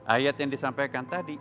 ayat yang disampaikan tadi